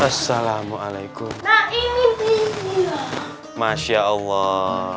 assalamualaikum warahmatullahi wabarakatuh